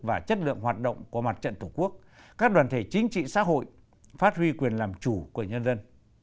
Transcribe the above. và chất lượng hoạt động của mặt trận tổ quốc các đoàn thể chính trị xã hội phát huy quyền làm chủ của nhân dân